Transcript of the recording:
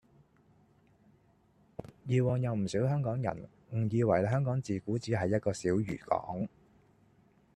以往有唔少香港人誤以為香港自古只係一個小漁港